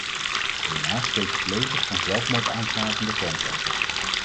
Helaas steken plegers van zelfmoordaanslagen de grens over.